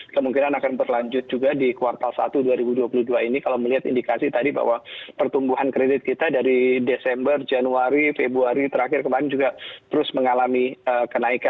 kemungkinan akan berlanjut juga di kuartal satu dua ribu dua puluh dua ini kalau melihat indikasi tadi bahwa pertumbuhan kredit kita dari desember januari februari terakhir kemarin juga terus mengalami kenaikan